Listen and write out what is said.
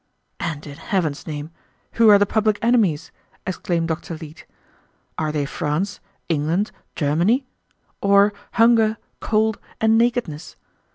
"And, in heaven's name, who are the public enemies?" exclaimed Dr. Leete. "Are they France, England, Germany, or hunger, cold, and nakedness?